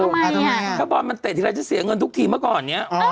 ทำไมน่ะทำไมอ่ะถ้าบอลมันเตะทีไรจะเสียเงินทุกทีมาก่อนเนี่ย